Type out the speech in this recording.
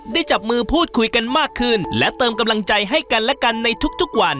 จับมือพูดคุยกันมากขึ้นและเติมกำลังใจให้กันและกันในทุกวัน